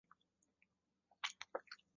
阮福澜。